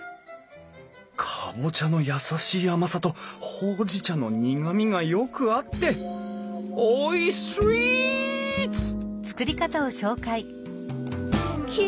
カボチャの優しい甘さとほうじ茶の苦みがよく合っておいスイーツ！